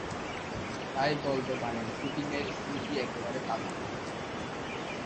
তাই বলতে পারেন শুটিংয়ের স্মৃতি একেবারে তাজা।